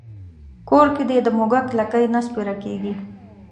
کور کې دې د موږک لکۍ نه سپېره کېږي.